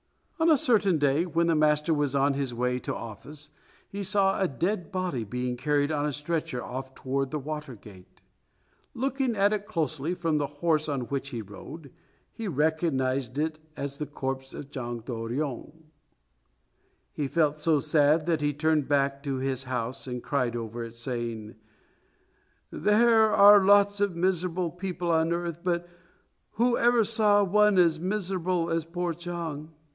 On a certain day when the master was on his way to office, he saw a dead body being carried on a stretcher off toward the Water Gate. Looking at it closely from the horse on which he rode, he recognized it as the corpse of Chang To ryong. He felt so sad that he turned back to his house and cried over it, saying, "There are lots of miserable people on earth, but who ever saw one as miserable as poor Chang?